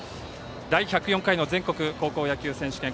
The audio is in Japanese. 第１０４回の全国高校野球選手権。